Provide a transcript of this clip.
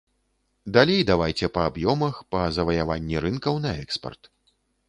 Далей давайце па аб'ёмах, па заваяванні рынкаў на экспарт.